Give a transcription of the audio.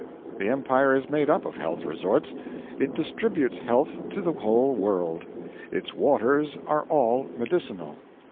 The empire is made up of health resorts; it distributes health to the whole world. Its waters are all medicinal.